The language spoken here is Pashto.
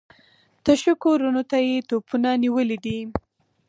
تشو کورونو ته يې توپونه نيولي دي.